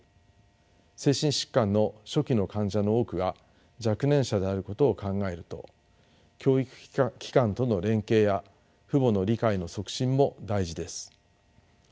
精神疾患の初期の患者の多くが若年者であることを考えると教育機関との連携や父母の理解の促進も大事です。